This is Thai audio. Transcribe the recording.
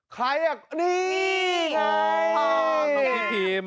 ใครอ่ะนี่